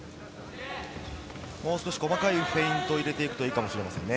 もう少し細かい動き、フェイントを入れていくといいかもしれませんね。